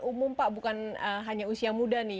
umum pak bukan hanya usia muda nih